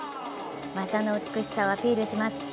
技の美しさをアピールします。